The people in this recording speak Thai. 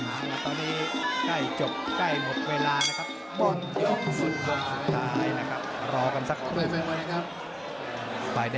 ตอนนี้ใกล้บุ๊คใกล้หมดเวลานะครับ